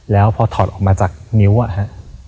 แล้วพอถอดออกมาจากนิ้วอะฮะ